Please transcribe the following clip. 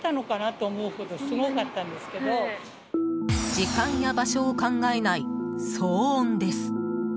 時間や場所を考えない騒音です。